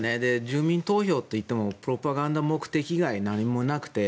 住民投票といってもプロパガンダ目的以外に何もなくて。